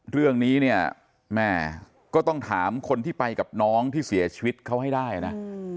เรื่องนี้เนี่ยแม่ก็ต้องถามคนที่ไปกับน้องที่เสียชีวิตเขาให้ได้นะ